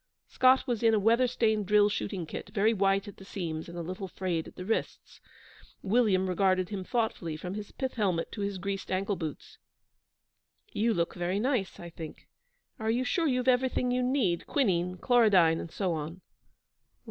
Scott was in a weather stained drill shooting kit, very white at the seams and a little frayed at the wrists. William regarded him thoughtfully, from his pith helmet to his greased ankle boots. 'You look very nice, I think. Are you sure you've everything you'll need quinine, chlorodyne, and so on?'